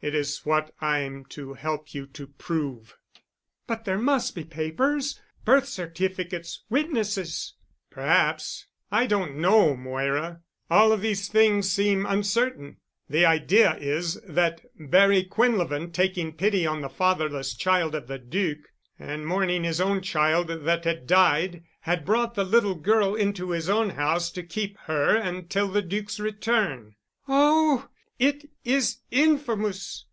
"It is what I'm to help you to prove." "But there must be papers—birth certificates—witnesses——" "Perhaps. I don't know, Moira. All of these things seem uncertain. The idea is that Barry Quinlevin, taking pity on the fatherless child of the Duc, and mourning his own child that had died, had brought the little girl into his own house to keep her until the Duc's return——" "Oh! It is infamous!"